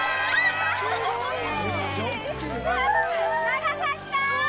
長かった！